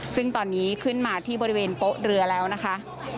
ซึ่งตอนนี้ขึ้นมาที่บริเวณโป๊ะเรือแล้วนะคะ